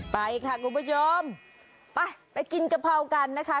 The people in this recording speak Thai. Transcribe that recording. ไปค่ะคุณผู้ชมไปไปกินกะเพรากันนะคะ